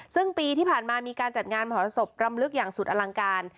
ซึ่งปีที่ผ่านมามีการจัดงานมหรสบรำลึกอย่างสุดอลังการ